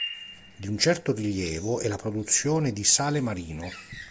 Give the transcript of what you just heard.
Di un certo rilievo è la produzione di sale marino.